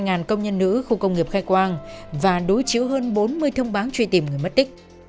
thì giả soát hơn hai công nhân nữ khu công nghiệp khai quang và đối chiếu hơn bốn mươi thông báo truy tìm người mất tích